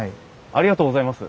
ありがとうございます！